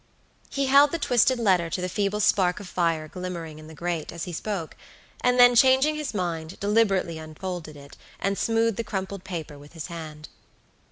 He held the twisted letter to the feeble spark of fire glimmering in the grate, as he spoke, and then changing his mind, deliberately unfolded it, and smoothed the crumpled paper with his hand.